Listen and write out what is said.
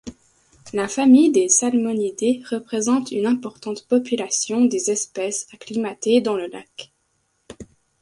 La famille des salmonidés représente une importante population des espèces acclimatées dans le lac.